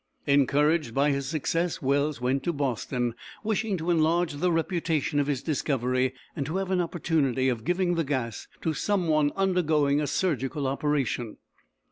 Encouraged by his success Wells went to Boston, wishing to enlarge the reputation of his discovery and to have an opportunity of giving the gas to some one undergoing a surgical operation.